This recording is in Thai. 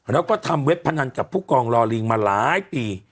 แล้วก็ทำเว็บพนันกับผู้กองรอลิงมาหลายปี